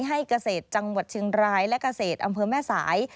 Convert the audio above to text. ให้เกษตรจังหวัดเชียงรายและเกษตรอำเภอแม่สาย